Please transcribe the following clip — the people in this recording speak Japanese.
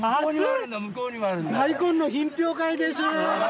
大根の品評会です。